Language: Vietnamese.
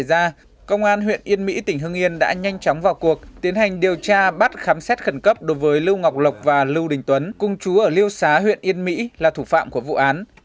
điều tra bắt khám xét khẩn cấp đối với lưu ngọc lộc và lưu đình tuấn cung chú ở lưu xá huyện yên mỹ là thủ phạm của vụ án